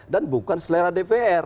dan bukan selera dpr